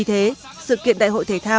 vì thế sự kiện đại hội thể thao đã được tham gia